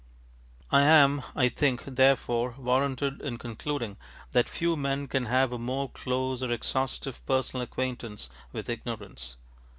I am, I think, therefore, warranted in concluding that few men can have a more close or exhaustive personal acquaintance with ignorance.